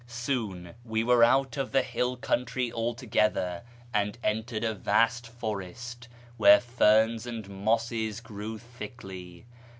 Soon we were out of the hill country altogether, and entered a vast forest, where ferns and mosses grew thickly.